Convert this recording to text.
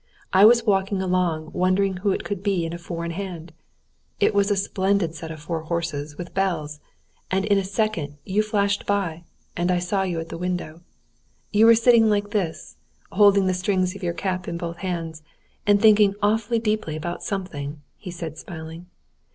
I was walking along wondering who it could be in a four in hand? It was a splendid set of four horses with bells, and in a second you flashed by, and I saw you at the window—you were sitting like this, holding the strings of your cap in both hands, and thinking awfully deeply about something," he said, smiling.